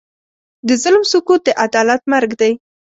د ظلم سکوت، د عدالت مرګ دی.